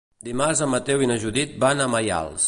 Dimarts en Mateu i na Judit van a Maials.